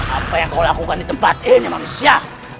apa yang kau lakukan di tempat eh ini manusia